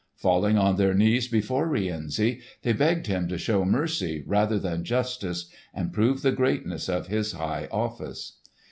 Falling on their knees before Rienzi they begged him to show mercy rather than justice and prove the greatness of his high office.